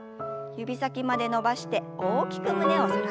指先まで伸ばして大きく胸を反らせます。